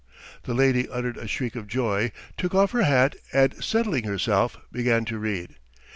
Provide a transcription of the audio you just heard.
The lady uttered a shriek of joy, took off her hat and settling herself, began to read.